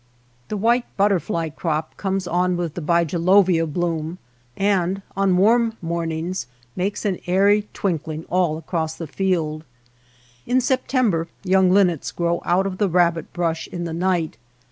The white butterfly crop comes on with the bigelovia bloom, and on warm mornings makes an airy twinkling all across the field. In September young linnets grow out of the rabbit brush in the night.